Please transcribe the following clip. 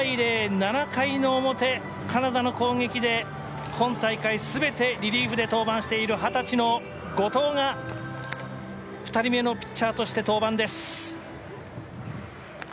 ７回の表、カナダの攻撃で今大会全て、リリーフで登板している２０歳の後藤が２人目のピッチャーとして登板です。